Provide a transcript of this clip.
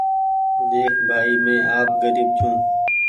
ۮيک ڀآئي مينٚ آپ غريب ڇوٚنٚ